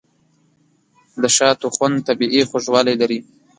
د شاتو خوند طبیعي خوږوالی لري.